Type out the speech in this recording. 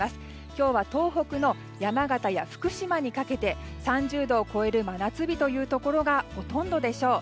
今日は東北の山形や福島にかけて３０度を超える真夏日というところがほとんどでしょう。